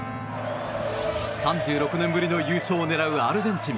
３６年ぶりの優勝を狙うアルゼンチン。